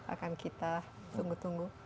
akan kita tunggu tunggu